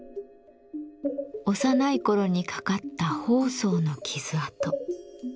幼い頃にかかった疱瘡の傷痕。